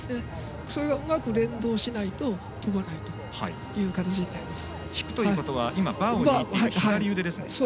それがうまく連動しないと飛ばないという形になります。